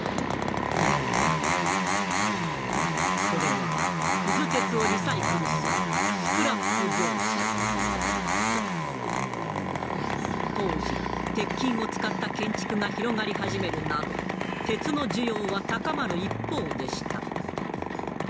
それはくず鉄をリサイクルする当時鉄筋を使った建築が広がり始めるなど鉄の需要は高まる一方でした。